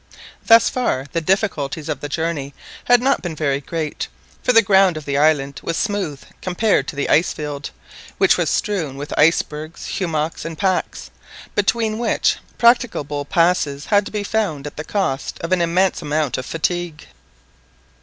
Thus far the difficulties of the journey had not been very great, for the ground of the island was smooth compared to the ice field, which was strewn with icebergs, hummocks, and packs, between which, practicable passes had to be found at the cost of an immense amount of fatigue.